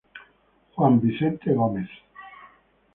Juan Vicente Gómez.